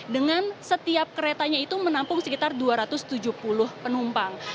dengan setiap keretanya itu menampung sekitar dua ratus tujuh puluh penumpang